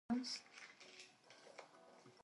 The predecessor of a national league competition.